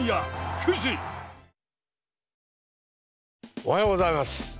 おはようございます。